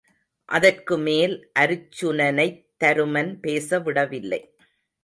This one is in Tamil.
அதற்குமேல் அருச்சுனனைத் தருமன் பேசவிடவில்லை.